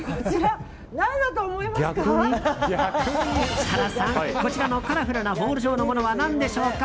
設楽さん、こちらのカラフルなボール状のものは何でしょうか？